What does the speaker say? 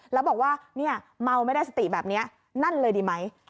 แล้วบอกว่าเนี่ยเมาไม่ได้สติแบบนี้นั่นเลยดีไหม